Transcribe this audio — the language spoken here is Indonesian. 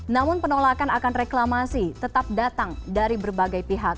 namun penolakan akan reklamasi tetap datang dari berbagai pihak